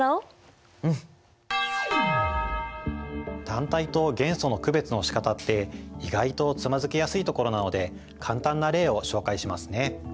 単体と元素の区別のしかたって意外とつまずきやすいところなので簡単な例を紹介しますね。